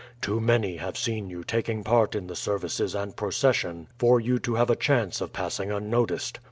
"Too many have seen you taking part in the services and procession for you to have a chance of passing unnoticed.